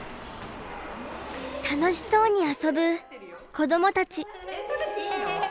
楽しそうに遊ぶ子どもたち。